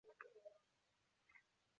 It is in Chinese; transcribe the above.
沃沙西。